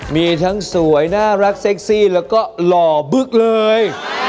มีทั้งสวยน่ารักเซ็กซี่แล้วก็หล่อบึ๊กเลย